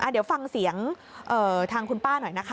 เดี๋ยวฟังเสียงทางคุณป้าหน่อยนะคะ